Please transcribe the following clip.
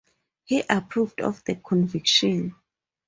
He approved of the conviction.